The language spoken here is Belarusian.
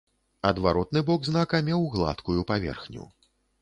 Адваротны бок знака меў гладкую паверхню.